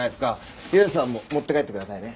よよさんも持って帰ってくださいね。